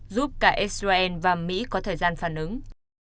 giúp cả israel và mỹ có thời gian phản ứng